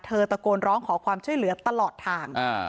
ตะโกนร้องขอความช่วยเหลือตลอดทาง